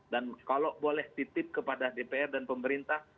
dan kalau boleh titip kepada dpr dan pemerintah